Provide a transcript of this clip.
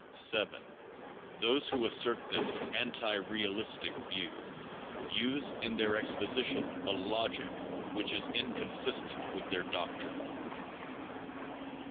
7. Those who assert this (anti realistic) view, use in their ex position a logic which is inconsistent with their doctrine.